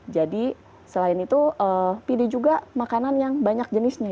jadi selain itu pilih juga makanan yang banyak jenisnya